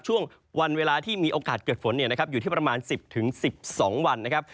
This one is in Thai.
ช่วงวันเวลาที่มีโอกาสเกิดฝนอยู่ที่ประมาณ๑๐๑๒วันนะครับ